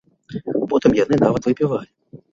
Потым яны нават выпівалі.